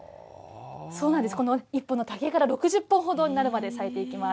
そうなんです、この１本の竹から６０本ほどになるまで割いていきます。